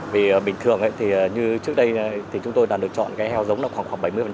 vì bình thường thì như trước đây thì chúng tôi đã lựa chọn cái heo giống là khoảng bảy mươi